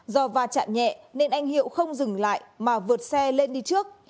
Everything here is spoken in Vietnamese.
do va chạm nhẹ nên anh hiệu không dừng lại mà vượt xe lên đi trước